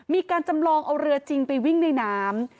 มีการจำลองเอาเรือจริงไปวิ่งในน้ำ